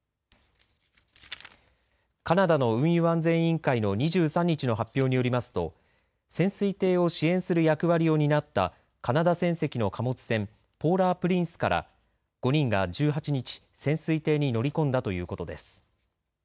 カナダの運輸安全委員会の２３日の発表によりますと潜水艇を支援する役割を担ったカナダ船籍の貨物船ポーラー・プリンスから５人が１８日潜水艇に乗り込んだということです。